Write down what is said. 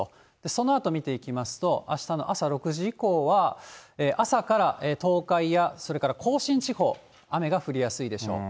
そのあと見ていきますと、あしたの朝６時以降は、朝から東海や、それから甲信地方、雨が降りやすいでしょう。